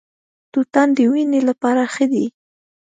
توتان د وینې لپاره ښه دي.